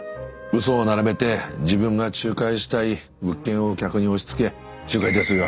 嘘を並べて自分が仲介したい物件を客に押しつけ仲介手数料